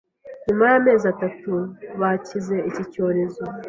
nyuma y’amezi atatu bakize iki cyorezo.